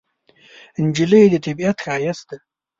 نجلۍ د طبیعت ښایست ده.